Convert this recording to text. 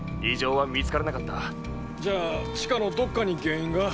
じゃあ地下のどっかに原因が？